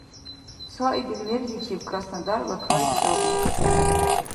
Цаибил мерличиб Краснодарла край саби.